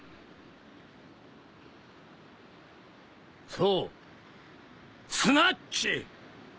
そうスナッチ！